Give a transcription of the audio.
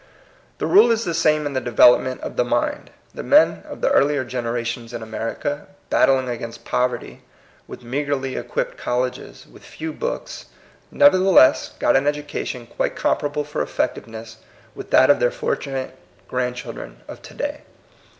The rule is the same in the development of the mind. The men of the earlier gen erations in America, battling against pov erty, with meagrely equipped colleges, with few books, nevertheless got an education quite comparable for effectiveness with that of their fortunate grandchildren of to day.